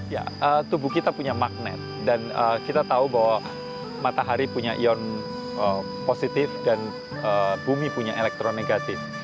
ya tubuh kita punya magnet dan kita tahu bahwa matahari punya ion positif dan bumi punya elektronegatif